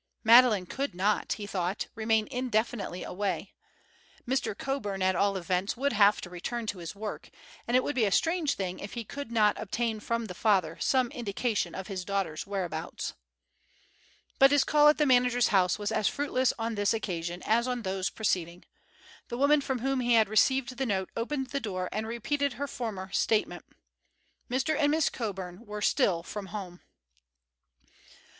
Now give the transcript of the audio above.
Madeleine could not, he thought, remain indefinitely away. Mr. Coburn at all events would have to return to his work, and it would be a strange thing if he could not obtain from the father some indication of his daughter's whereabouts. But his call at the manager's house was as fruitless on this occasion as on those preceding. The woman from whom he had received the note opened the door and repeated her former statement. Mr. and Miss Coburn were still from home.